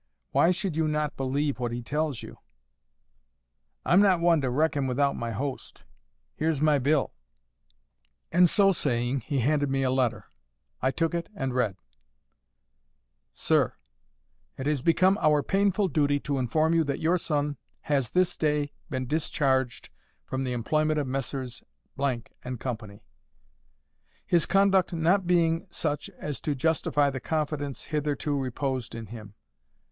Why should you not believe what he tells you?" "I'm not one to reckon without my host. Here's my bill." And so saying, he handed me a letter. I took it and read:— "SIR,—It has become our painful duty to inform you that your son has this day been discharged from the employment of Messrs— and Co., his conduct not being such as to justify the confidence hitherto reposed in him.